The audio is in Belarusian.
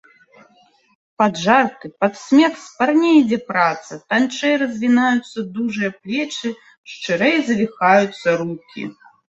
Пад жарты, пад смех спарней ідзе праца, танчэй развінаюцца дужыя плечы, шчырэй завіхаюцца рукі.